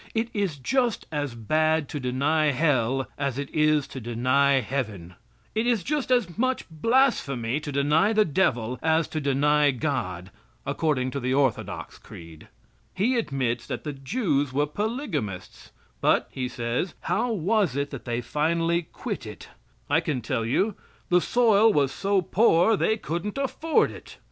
It is just as bad to deny Hell as it is to deny Heaven. It is just as much blasphemy to deny the devil as to deny God, according to the orthodox creed. He admits that the Jews were polygamists, but, he says, how was it they finally quit it? I can tell you the soil was so poor they couldn't afford it.